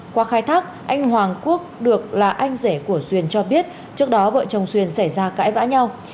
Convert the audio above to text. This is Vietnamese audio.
qua khai thác anh hoàng quốc được là anh rể của duyên cho biết trước đó vợ chồng xuyên xảy ra cãi vã nhau